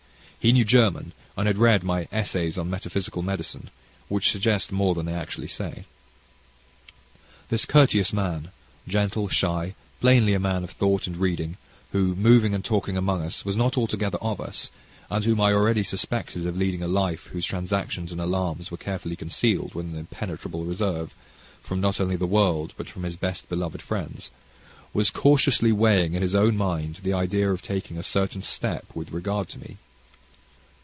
He knew German and had read my Essays on Metaphysical Medicine which suggest more than they actually say. This courteous man, gentle, shy, plainly a man of thought and reading, who moving and talking among us, was not altogether of us, and whom I already suspected of leading a life whose transactions and alarms were carefully concealed, with an impenetrable reserve from, not only the world, but his best beloved friends was cautiously weighing in his own mind the idea of taking a certain step with regard to me.